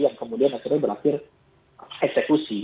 yang kemudian akhirnya berakhir eksekusi